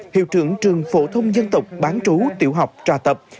hiệu trưởng trường phổ thông dân tộc bán trú tiểu học trà tập